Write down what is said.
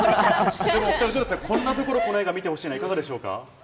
こんなところ、この映画見てほしいななどいかがでしょうか？